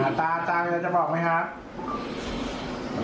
หน้าตาเจ้ายังจะบอกไหมครับ